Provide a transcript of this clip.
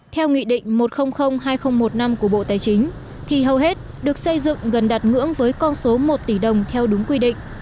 theo nghị định một trăm linh hai nghìn một mươi năm của bộ tài chính thì hầu hết được xây dựng gần đạt ngưỡng với con số một tỷ đồng theo đúng quy định